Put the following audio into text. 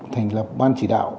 thành lập ban chỉ đạo